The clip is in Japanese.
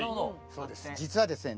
実はですね